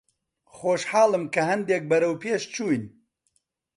خۆشحاڵم کە هەندێک بەرەو پێش چووین.